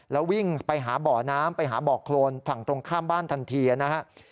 แล้ววิ่งไปหาบ่อน้ำไปหาบ่อโครนฝั่งตรงข้ามบ้านทันทีนะครับ